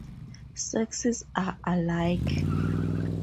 Sexes are alike.